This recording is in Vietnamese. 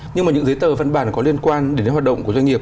nhưng mà những giấy tờ văn bản có liên quan đến hoạt động của doanh nghiệp